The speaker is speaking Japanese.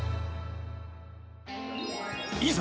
［いざ］